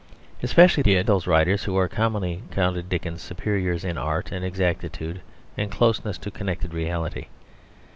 Especially did those writers who are commonly counted Dickens's superiors in art and exactitude and closeness to connected reality.